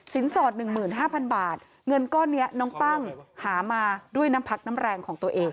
สินสอดหนึ่งหมื่นห้าพันบาทเงินก้อนเนี้ยน้องตั้งหามาด้วยน้ำผักน้ำแรงของตัวเอง